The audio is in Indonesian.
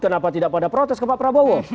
kenapa tidak pada protes ke pak prabowo